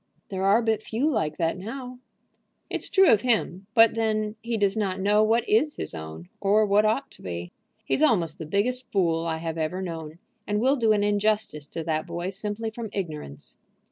"There are but few like that now." "It's true of him. But then he does not know what is his own, or what ought to be. He's almost the biggest fool I have ever known, and will do an injustice to that boy simply from ignorance."